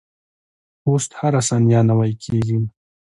پوست هره ثانیه نوي کیږي.